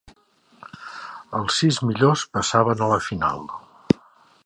Els sis millors passaven a la final.